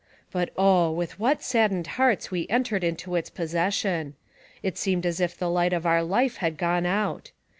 But, oh! with what saddened hearts we entered into its possession. It seemed as if the light of our life had gone out.